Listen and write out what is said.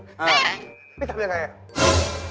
ไปทำอะไร